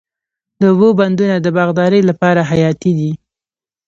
د اوبو بندونه د باغدارۍ لپاره حیاتي دي.